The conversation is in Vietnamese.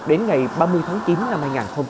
đến ngày ba mươi tháng chín năm hai nghìn hai mươi ba